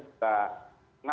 tidak mampu ya jangan